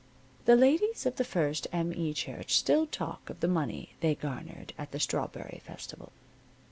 The ladies of the First M. E. Church still talk of the money they garnered at the strawberry festival.